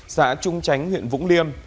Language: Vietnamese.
xã trung chánh huyện vũng liêm